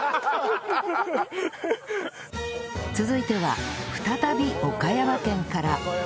続いては再び岡山県から